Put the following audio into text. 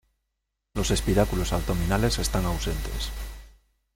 Los espiráculos abdominales están ausentes.